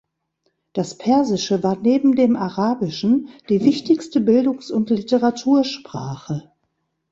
Das Persische war neben dem Arabischen die wichtigste Bildungs- und Literatursprache.